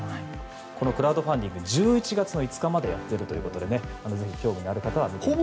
このクラウドファンディング１１月５日までやっているということでぜひ興味がある方は見てください。